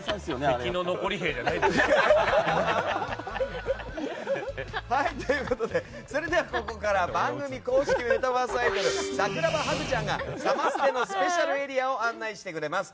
敵の残り兵じゃないよ。ということでそれではここからは番組公式メタバースアイドル桜葉ハグちゃんがサマステのスペシャルエリアを案内してくれます。